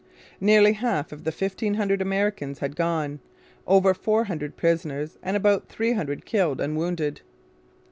Nearly half of the fifteen hundred Americans had gone over four hundred prisoners and about three hundred killed and wounded.